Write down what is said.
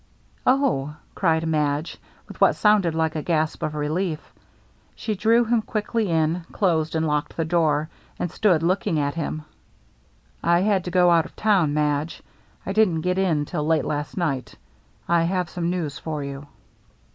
" Oh," cried Madge, with what sounded like a gasp of relief. She drew him quickly in, closed and locked the door, and stood looking at him. 412 THE MERRY ANNE " I had to go out of town, Madge. I didn't get in till late last night. I have some news for you."